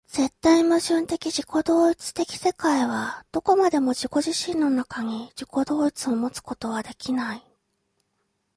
絶対矛盾的自己同一的世界はどこまでも自己自身の中に、自己同一をもつことはできない。